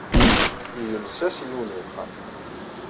Yules-as i yiwen n wexxam.